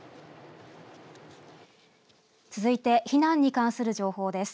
続いて避難に関する情報です。